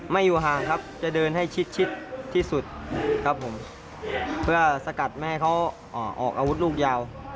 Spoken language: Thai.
ไม่อยู่ห่างครับจะเดินให้ชิดที่สุดครับผมเพื่อสกัดไม่ให้เขาออกอาวุธลูกยาว